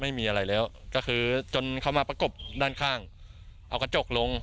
ไม่มีอะไรแล้วก็คือจนเขามาประกบด้านข้างเอากระจกลง